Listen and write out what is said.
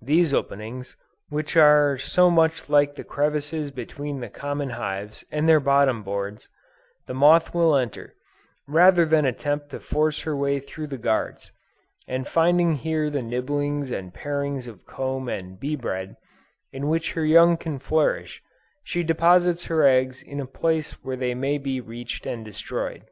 These openings, which are so much like the crevices between the common hives and their bottom boards, the moth will enter, rather than attempt to force her way through the guards, and finding here the nibblings and parings of comb and bee bread, in which her young can flourish, she deposits her eggs in a place where they may be reached and destroyed.